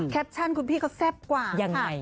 แปปชั่นคุณพี่เขาแซ่บกว่ายังไง